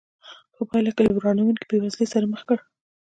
په پایله کې له ورانوونکې بېوزلۍ سره مخ کړ.